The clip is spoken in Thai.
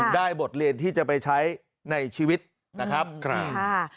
บทเรียนที่จะไปใช้ในชีวิตนะครับ